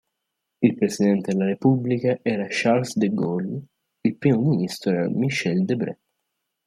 Il presidente della Repubblica era Charles de Gaulle, il primo ministro era Michel Debré.